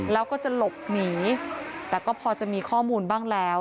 แล้วก็จะหลบหนีแต่ก็พอจะมีข้อมูลบ้างแล้ว